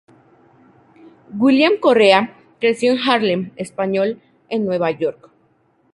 William Correa creció en el Harlem Español, en Nueva York.